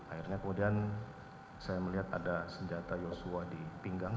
akhirnya kemudian saya melihat ada senjata yosua di pinggang